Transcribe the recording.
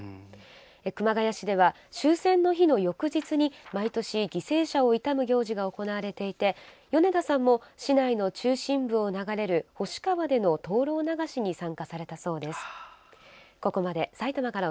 熊谷市では終戦の日の翌日に毎年、犠牲者を悼む行事が行われていて米田さんも市内の中心部を流れる星川でのとうろう流しに参加されたそうです。